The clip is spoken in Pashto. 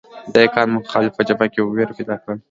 دې کار مخالفه جبهه کې وېره پیدا کړه